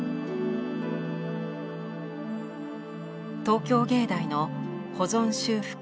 東京藝大の保存修復